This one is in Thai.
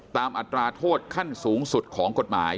อัตราโทษขั้นสูงสุดของกฎหมาย